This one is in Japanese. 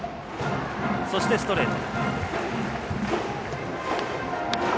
そしてストレート。